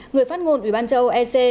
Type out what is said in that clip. người phát ngôn ủy ban châu âu ec